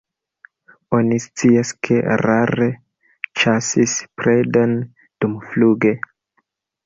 Oni scias, ke rare ĉasis predon dumfluge.